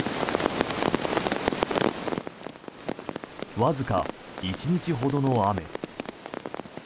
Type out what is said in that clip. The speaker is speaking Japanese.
わずか１日ほどの雨。